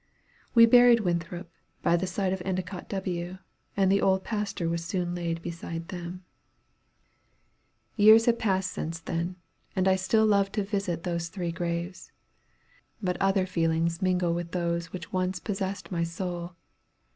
We buried Winthrop by the side of Endicott W., and the old pastor was soon laid beside them. Years have passed since then, and I still love to visit those three graves. But other feelings mingle with those which once possessed my soul.